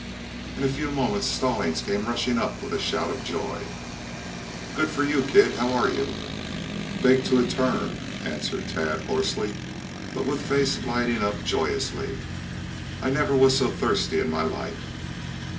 In a few moments Stallings came rushing up with a shout of joy. [Illustration: Good for You, Kid!] "Good for you, kid! How are you?" "Baked to a turn," answered Tad hoarsely, but with face lighting up joyously. "I never was so thirsty in my life."